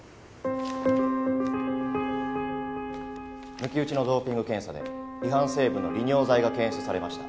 抜き打ちのドーピング検査で違反成分の利尿剤が検出されました。